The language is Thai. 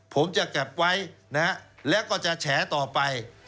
ผมจะเก็บไว้และก็จะแฉต่อไป